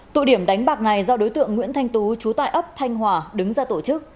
tụ điểm đánh bạc này do đối tượng nguyễn thanh tú trú tại ấp thanh hòa đứng ra tổ chức